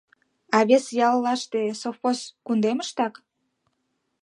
А вес яллаште, совхоз кундемыштак?